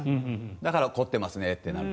だから凝ってますねとなる。